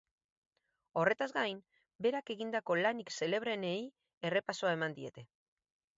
Horretaz gain, berak egindako lanik xelebreenei errepasoa eman diete.